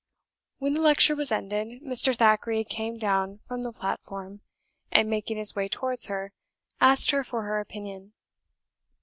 When the lecture was ended, Mr. Thackeray came down from the platform, and making his way towards her, asked her for her opinion.